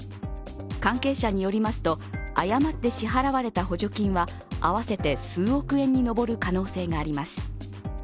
関係者によりますと、誤って支払われた補助金は合わせて数億円に上る可能性があります。